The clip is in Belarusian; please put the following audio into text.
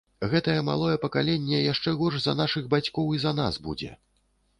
Гэтае малое пакаленне яшчэ горш за нашых бацькоў і за нас будзе.